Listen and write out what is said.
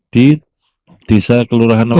di desa kelurahan